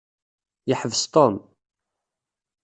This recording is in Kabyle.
Yeḥbes Tom.